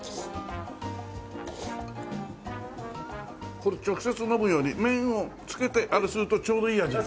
これ直接飲むより麺をつけてあれするとちょうどいい味になる。